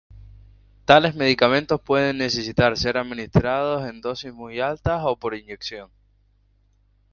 Tales medicamentos pueden necesitar ser administrados en dosis muy altas o por inyección.